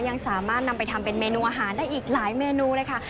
ยังสามารถนำไปทำเป็นเมนูอาหารได้อีกหลายเมนูเลยค่ะ